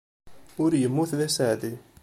Ur yemmut d aseɛdi.